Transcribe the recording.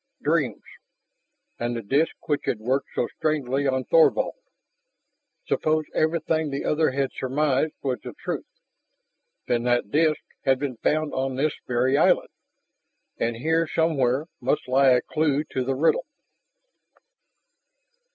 Dreams and the disk which had worked so strangely on Thorvald. Suppose everything the other had surmised was the truth! Then that disk had been found on this very island, and here somewhere must lie a clue to the riddle.